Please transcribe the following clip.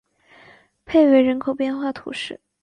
佩维人口变化图示